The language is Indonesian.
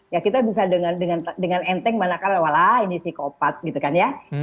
ya kita bisa dengan enteng manakala ini psikopat gitu kan ya